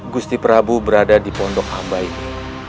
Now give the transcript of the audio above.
gusti prabu berada di pondok hamba ini